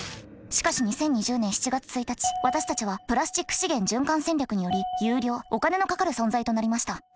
しかし２０２０年７月１日私たちはプラスチック資源循環戦略により有料お金のかかる存在となりました。